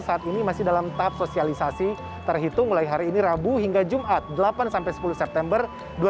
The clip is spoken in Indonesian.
saat ini masih dalam tahap sosialisasi terhitung mulai hari ini rabu hingga jumat delapan sepuluh september dua ribu dua puluh